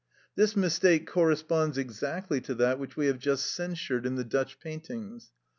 This mistake corresponds exactly to that which we have just censured in the Dutch paintings.